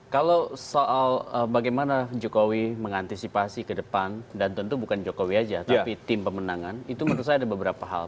kalau soal bagaimana jokowi mengantisipasi ke depan dan tentu bukan jokowi saja tapi tim pemenangan itu menurut saya ada beberapa hal